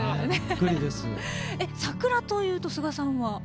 桜というとスガさんは？